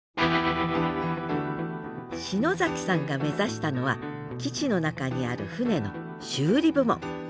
篠崎さんが目指したのは基地の中にある船の修理部門。